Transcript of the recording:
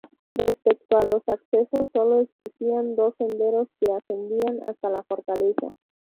Respecto a los accesos, sólo existían dos senderos que ascendían hasta la fortaleza.